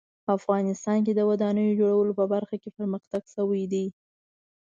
افغانستان کې د ودانیو جوړولو په برخه کې پرمختګ شوی ده